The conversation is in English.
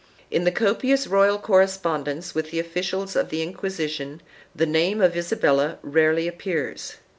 In the copious royal correspondence with the officials of the Inquisi tion the name of Isabella rarely appears.